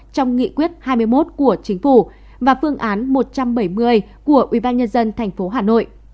trong nghị quyết hai mươi một của chính phủ và phương án một trăm bảy mươi của ubnd tp hà nội